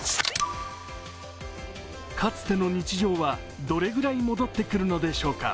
かつての日常はどれぐらい戻ってくるのでしょうか。